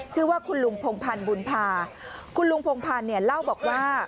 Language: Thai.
ชื่อว่าคุณลุงพงพันธ์บุญภาคุณลุงพงพันธ์เนี่ยเล่าบอกว่า